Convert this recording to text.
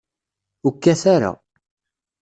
Ur kkat ara.